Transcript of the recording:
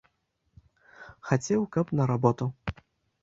Хацеў, каб на работу.